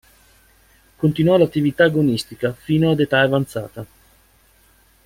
Continuò l'attività agonistica fino ad età avanzata.